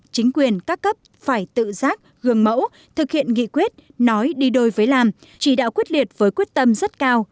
chính quyền các cấp phải tự giác gương mẫu thực hiện nghị quyết nói đi đôi với làm chỉ đạo quyết liệt với quyết tâm rất cao